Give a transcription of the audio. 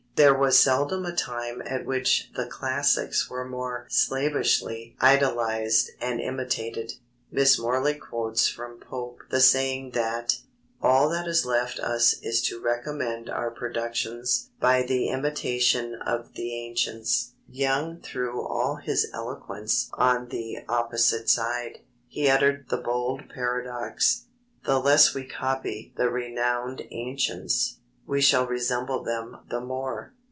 There was seldom a time at which the classics were more slavishly idolized and imitated. Miss Morley quotes from Pope the saying that "all that is left us is to recommend our productions by the imitation of the ancients." Young threw all his eloquence on the opposite side. He uttered the bold paradox: "The less we copy the renowned ancients, we shall resemble them the more."